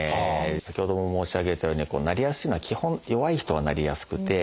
先ほども申し上げたようになりやすいのは基本弱い人はなりやすくて。